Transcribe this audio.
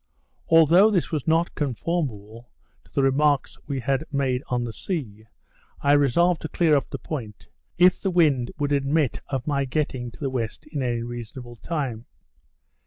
Athough this was not conformable to the remarks we had made on the sea, I resolved to clear up the point, if the wind would admit of my getting to the west in any reasonable time.